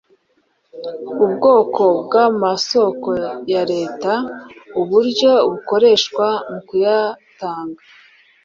ubwoko bw’amasoko ya Leta, uburyo bukoreshwa mu kuyatanga,